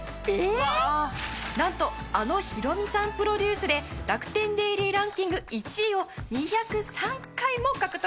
なんとあのヒロミさんプロデュースで楽天デイリーランキング１位を２０３回も獲得。